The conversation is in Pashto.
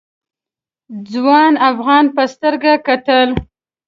ځوان افغان په سترګه کتل.